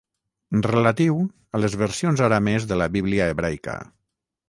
Relatiu a les versions aramees de la Bíblica hebraica.